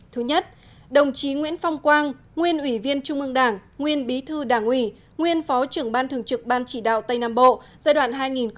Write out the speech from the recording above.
thứ nhất đồng chí nguyễn phong quang nguyên ủy viên trung ương đảng nguyên bí thư đảng ủy nguyên phó trưởng ban thường trực ban chỉ đạo tây nam bộ giai đoạn hai nghìn một mươi năm hai nghìn hai mươi